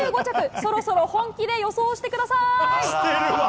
そろそろ本気で予想してください。